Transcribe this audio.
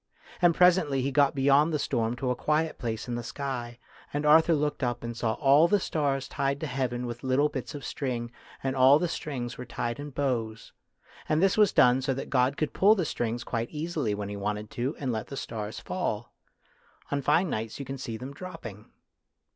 And presently he got beyond the storm to a quiet place in the sky, and Arthur looked up and saw all the stars tied to heaven with little bits of string, and all the strings were tied in bows. And this was done so that God could pull the string quite easily when He wanted to, and let the stars fall. On fine nights you can see them dropping.